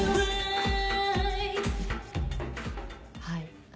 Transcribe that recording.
はい。